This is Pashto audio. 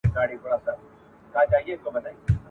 په منطق دي نه پوهېږي دا غویی دی !.